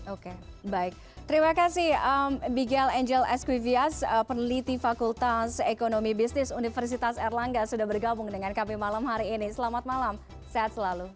oke baik terima kasih bigel angel esquivias peneliti fakultas ekonomi bisnis universitas erlangga sudah bergabung dengan kami malam hari ini selamat malam sehat selalu